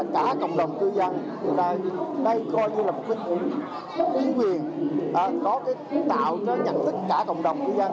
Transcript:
tạo cho nhận thức cả cộng đồng cư dân